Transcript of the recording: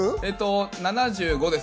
７５です。